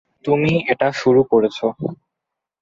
তুমিই এটা শুরু করেছ।